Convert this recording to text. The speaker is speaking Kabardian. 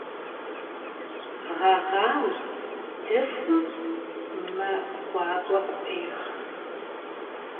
Ğeğam, dıxum me guak'ue khıpêx.